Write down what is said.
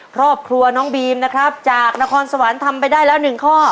ครอบครัวน้องบีมนะครับจากนครสวรรค์ทำไปได้แล้ว๑ข้อ